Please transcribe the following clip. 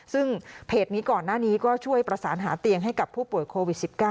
ซึ่งเพจนี้ก่อนหน้านี้ก็ช่วยประสานหาเตียงให้กับผู้ป่วยโควิด๑๙